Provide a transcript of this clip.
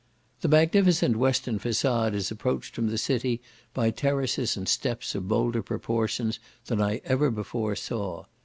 The magnificent western facade is approached from the city by terraces and steps of bolder proportions than I ever before saw.